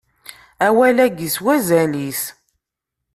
Awal-agi s wazal-is.